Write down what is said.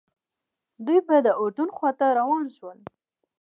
دوی به د اردن خواته روان شول.